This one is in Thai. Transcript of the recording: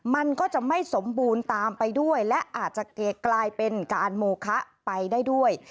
มันก็จะไม่สมบูรณ์ตามไปด้วยและอาจจะกลายเป็นการโมคะไปได้ด้วย